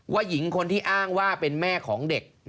หญิงคนที่อ้างว่าเป็นแม่ของเด็ก